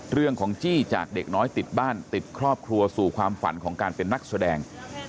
ของจี้จากเด็กน้อยติดบ้านติดครอบครัวสู่ความฝันของการเป็นนักแสดง